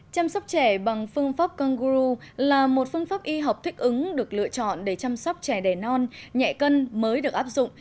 chăm sóc trẻ bằng phương pháp congu là một phương pháp y học thích ứng được lựa chọn để chăm sóc trẻ đề non nhẹ cân mới được áp dụng